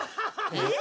えっ？